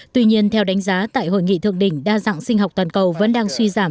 tuy nhiên theo đánh giá tại hội nghị thượng đỉnh đa dạng sinh học toàn cầu vẫn đang suy giảm